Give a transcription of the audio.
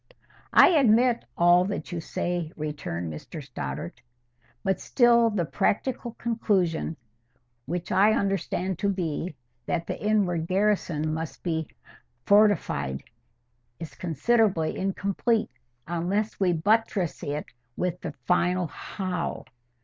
"I admit all that you say," returned Mr Stoddart. "But still the practical conclusion—which I understand to be, that the inward garrison must be fortified—is considerably incomplete unless we buttress it with the final HOW.